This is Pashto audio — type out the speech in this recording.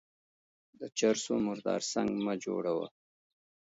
د چر سو مردار سنگ مه جوړوه.